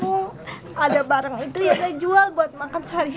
seorang anak berinisial b diduga depresi usai ponsel yang ia beli dengan uang sendiri di sini